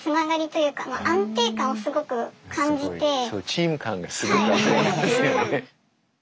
チーム感がすごくあるんですよね。